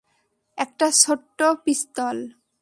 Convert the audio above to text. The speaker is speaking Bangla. একটা ছোট্ট পিস্তল।